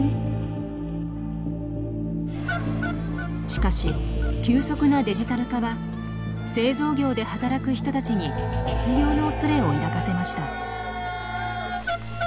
しかし急速なデジタル化は製造業で働く人たちに失業のおそれを抱かせました。